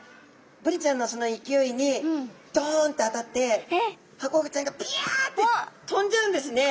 ブリちゃんのその勢いにどんって当たってハコフグちゃんがぴゃって飛んじゃうんですね。